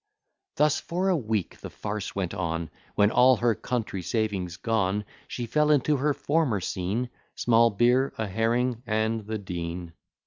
Thus for a week the farce went on; When, all her country savings gone, She fell into her former scene, Small beer, a herring, and the Dean.